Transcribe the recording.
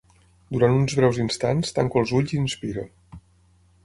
Durant uns breus instants, tanco els ulls i inspiro.